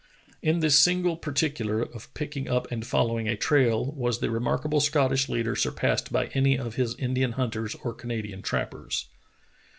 In this smgle 148 True Tales of Arctic Heroism particular, of picking up and following a trail, was the remarkable Scottish leader surpassed by any of his Indian hunters or Canadian trappers.